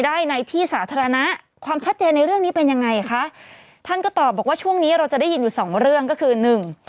ได้ในที่สาธารณะความชัดเจนในเรื่องนี้เป็นยังไงคะท่านก็ตอบบอกว่าช่วงนี้เราจะได้ยินอยู่สองเรื่องก็คือหนึ่ง